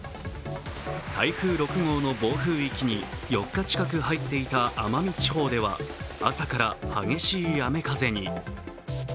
台風６号の暴風域に４日近く入っていた奄美地方では朝から激しい雨風に。